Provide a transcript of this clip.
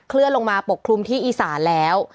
เลื่อนลงมาปกคลุมที่อีสานแล้ว